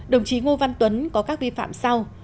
đồng chí ngô văn tuấn có các vi phạm sau